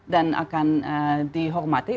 dan akan dihormati